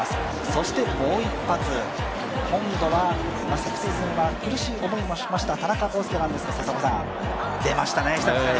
そしてもう一発、今度は昨シーズンは苦しい思いもしました田中広輔なんですが、出ましたね久々に。